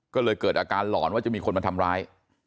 ก็เลยเกิดอาการหลอนว่าจะมีคนมาทำร้าย